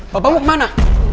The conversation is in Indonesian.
papa mau kemana